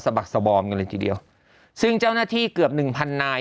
บักสบอมกันเลยทีเดียวซึ่งเจ้าหน้าที่เกือบหนึ่งพันนาย